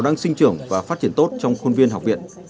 để phát triển tốt trong khuôn viên học viện